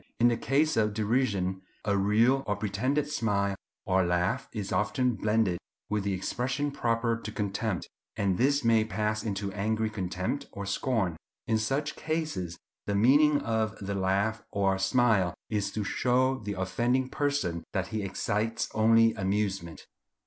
In the case of derision, a real or pretended smile or laugh is often blended with the expression proper to contempt, and this may pass into angry contempt or scorn. In such cases the meaning of the laugh or smile is to show the offending person that he excites only amusement.